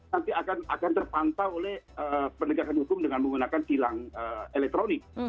nanti akan terpantau oleh penegakan hukum dengan menggunakan tilang elektronik